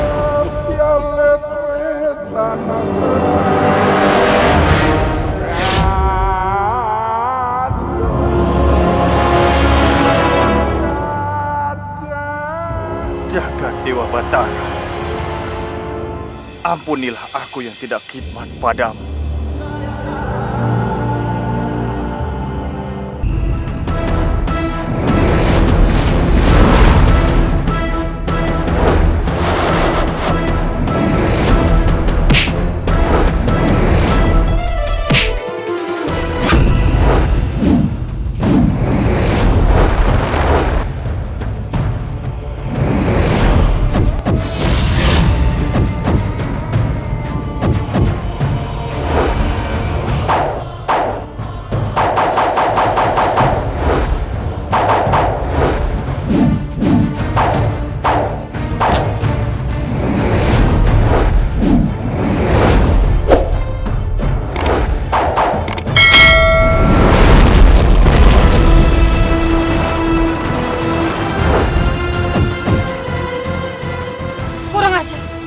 aku akan tunjukkan kekuatanku yang sebenarnya